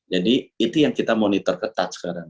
jadi itu yang kita monitor ketat sekarang